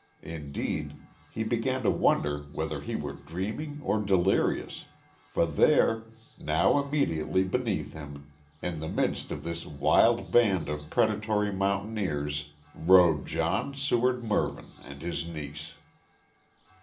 Indeed, he began to wonder whether he were dreaming or delirious, for there now immediately beneath him, in the midst of this wild band of predatory mountaineers rode John Seward Mervyn and his niece.